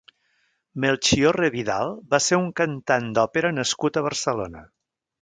Melchiorre Vidal va ser un cantant d'òpera nascut a Barcelona.